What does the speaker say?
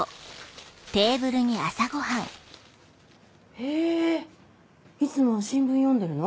へぇいつも新聞読んでるの？